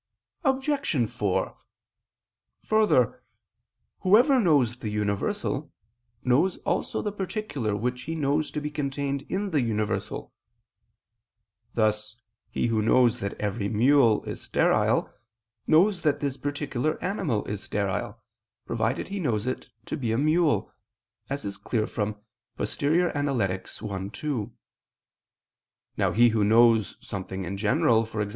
Obj. 4: Further, whoever knows the universal, knows also the particular which he knows to be contained in the universal: thus who knows that every mule is sterile, knows that this particular animal is sterile, provided he knows it to be a mule, as is clear from Poster. i, text. 2. Now he who knows something in general, e.g.